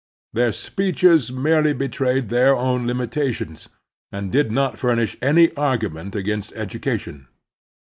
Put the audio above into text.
Their speeches merely betrayed their own limitations, and did not furnish any argument against education.